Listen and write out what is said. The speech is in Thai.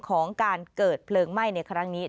ของการเกิดเพลิงไหม้ในครั้งนี้